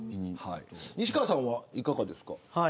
西川さんは、いかがですか。